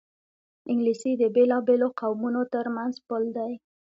انګلیسي د بېلابېلو قومونو ترمنځ پُل دی